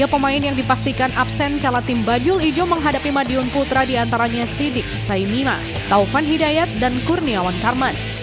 tiga pemain yang dipastikan absen kala tim bajul ijo menghadapi madiun putra diantaranya sidik saimima taufan hidayat dan kurniawan karman